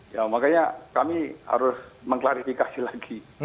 ya makanya kami harus mengklarifikasi lagi